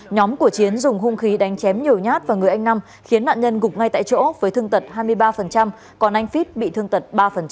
nhóm của chiến dùng hung khí đánh chém nhiều nhát vào người anh nam khiến nạn nhân gục ngay tại chỗ với thương tật hai mươi ba còn anh fit bị thương tật ba